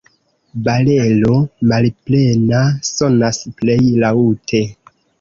Barelo malplena sonas plej laŭte.